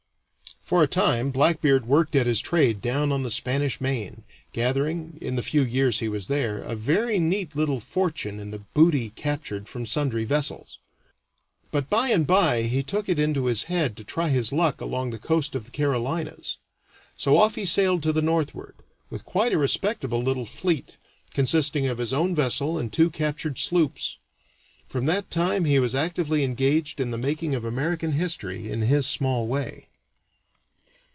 For a time Blackbeard worked at his trade down on the Spanish Main, gathering, in the few years he was there, a very neat little fortune in the booty captured from sundry vessels; but by and by he took it into his head to try his luck along the coast of the Carolinas; so off he sailed to the northward, with quite a respectable little fleet, consisting of his own vessel and two captured sloops. From that time he was actively engaged in the making of American history in his small way.